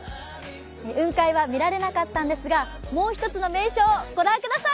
雲海は見られなかったんですが、もう一つの名所を御覧ください。